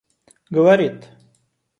говорит